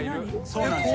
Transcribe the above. そうなんです。